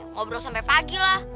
ngobrol sampe pagi lah